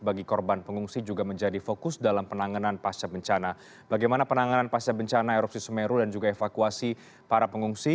bagaimana penanganan pasca bencana erupsi sumeru dan juga evakuasi para pengungsi